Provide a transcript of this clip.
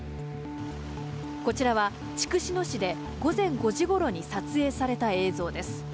こちらは筑紫野市で午前５時ごろに撮影された映像です。